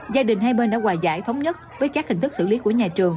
gia đình hai bên đã hòa giải thống nhất với các hình thức xử lý của nhà trường